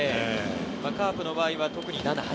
カープの場合は特に７、８。